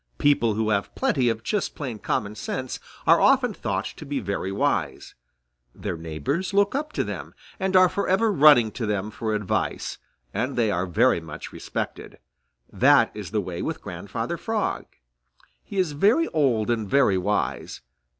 People who have plenty of just plain common sense are often thought to be very wise. Their neighbors look up to them and are forever running to them for advice, and they are very much respected. That is the way with Grandfather Frog. He is very old and very wise.